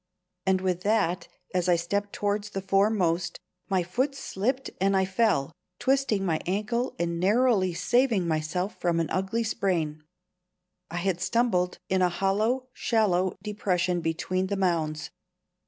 And with that, as I stepped towards the foremost, my foot slipped and I fell, twisting my ankle and narrowly saving myself from an ugly sprain. I had stumbled in a hollow, shallow depression between the mounds.